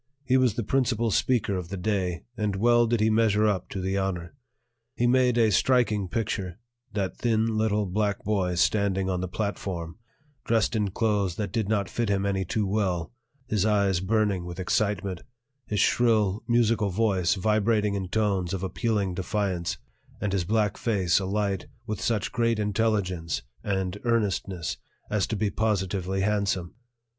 He was the principal speaker of the day, and well did he measure up to the honor. He made a striking picture, that thin little black boy standing on the platform, dressed in clothes that did not fit him any too well, his eyes burning with excitement, his shrill, musical voice vibrating in tones of appealing defiance, and his black face alight with such great intelligence and earnestness as to be positively handsome.